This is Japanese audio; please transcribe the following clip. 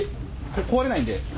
壊れないんで。